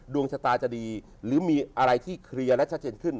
ดวงชะตาจะดีหรือมีอะไรที่เคลียร์และชัดเจนขึ้น